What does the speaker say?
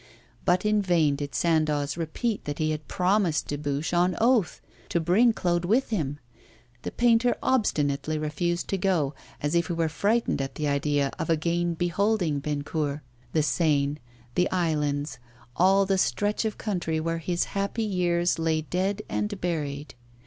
But in vain did Sandoz repeat that he had promised Dubuche on oath to bring Claude with him; the painter obstinately refused to go, as if he were frightened at the idea of again beholding Bennecourt, the Seine, the islands, all the stretch of country where his happy years lay dead and buried.